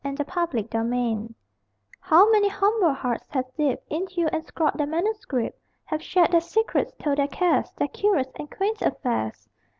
_] TO A POST OFFICE INKWELL How many humble hearts have dipped In you, and scrawled their manuscript! Have shared their secrets, told their cares, Their curious and quaint affairs!